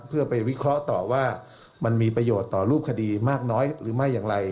เพื่อไปวิเคราะห์ต่อว่ามันมีประโยชน์ต่อรูปคดีมากน้อยหรือไม่อย่างไร